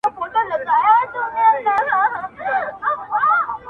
له دې مخلوق او له دې ښار سره مي نه لګیږي-